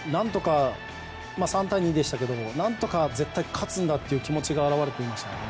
３対２でしたが何とか絶対に勝つんだという気持ちが表れていましたね。